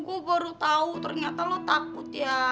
gue baru tahu ternyata lo takut ya